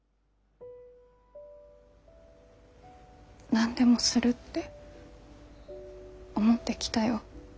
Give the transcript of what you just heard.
何でもするって思ってきたよ。